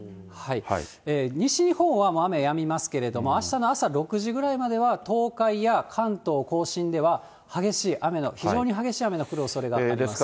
西日本は雨やみますけれども、あしたの朝６時ぐらいまでは東海や関東甲信では激しい雨の、非常に激しい雨の降るおそれがあります。